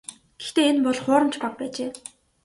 Гэхдээ энэ бол хуурамч баг байжээ.